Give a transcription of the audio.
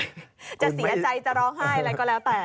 จะเสียใจจะร้องไห้อะไรก็แล้วแต่